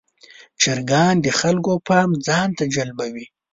چرګان د خلکو پام ځان ته جلبوي.